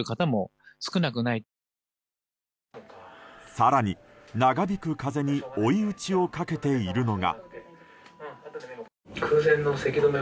更に、長引く風邪に追い打ちをかけているのが。